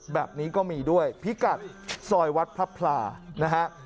แบบนี้ก็มีด้วยพิกัดซอยวัดพระพลานะฮะ